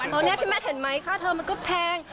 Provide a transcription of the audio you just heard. ตอนนี้พี่แมทเห็นไหมค่าเทอมมันก็แพง